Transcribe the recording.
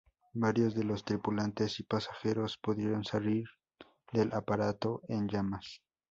Varios de los tripulantes y pasajeros pudieron salir del aparato en llamas.